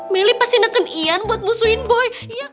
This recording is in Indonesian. melly pasti nengken ian buat musuhin boy